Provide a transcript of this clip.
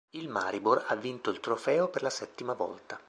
Il Maribor ha vinto il trofeo per la settima volta.